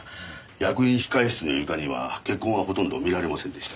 役員控室の床には血痕はほとんど見られませんでした。